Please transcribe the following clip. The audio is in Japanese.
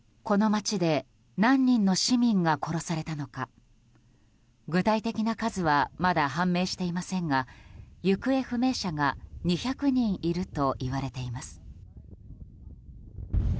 この街で何人の市民が殺されたのか具体的な数はまだ判明していませんが行方不明者が２００人いるといわれています。